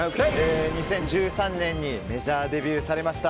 ２０１３年にメジャーデビューされました。